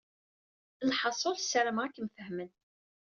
Lḥaṣul, ssarameɣ ad kem-fehmen.